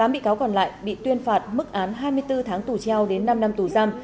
tám bị cáo còn lại bị tuyên phạt mức án hai mươi bốn tháng tù treo đến năm năm tù giam